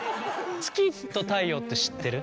月と太陽って知ってる？